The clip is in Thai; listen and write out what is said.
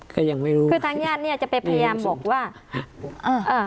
ก็ยังไม่รู้คือทางญาติเนี้ยจะไปพยายามบอกว่าอ่าอ่า